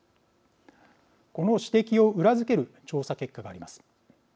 この指摘を裏付ける調査結果があります。